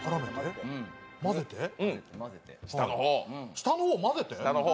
下の方混ぜて？